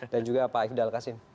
dan juga pak ifdal kasim